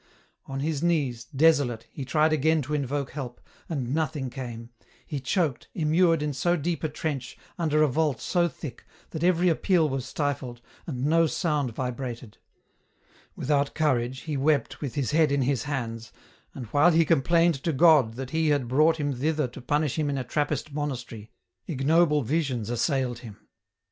On his knees, desolate, he tried again to invoke help, and nothing came; he choked, immured in so deep a trench, under a vault so thick, that every appeal was stifled, and no sound vibrated. Without courage, he wept with his head in his hands, and while he complained to God that He had brought him thither to punish him in a Trappist monastery, ignoble visions assailed him.